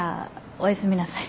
おやすみなさい。